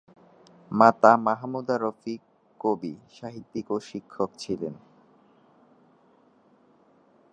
মাতা মাহমুদা রফিক কবি, সাহিত্যিক ও শিক্ষক ছিলেন।